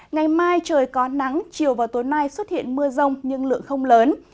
ngày mai trời có nắng chiều và tối nay xuất hiện mưa rông nhưng lượng không lớn